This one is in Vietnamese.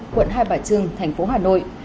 quận hai bà trương thành phố hà nội